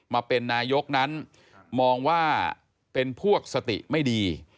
มาเป็นนายกนั้นมองว่าเป็นพวกสติไม่ดี